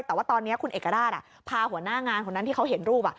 แต่ว่าตอนนี้คุณเอกราชพาหัวหน้างานคนนั้นที่เขาเห็นรูป